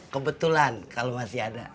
kebetulan kalau masih ada